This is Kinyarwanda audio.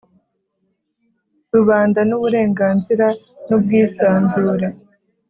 Rubanda n uburenganzira n ubwisanzure